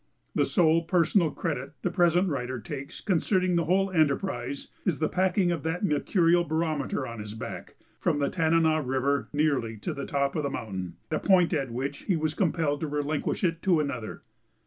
The sole personal credit the present writer takes concerning the whole enterprise is the packing of that mercurial barometer on his back, from the Tanana River nearly to the top of the mountain, a point at which he was compelled to relinquish it to another.